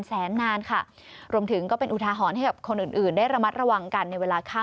แสนนานค่ะ